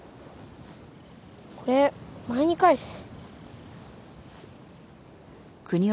これお前に返す。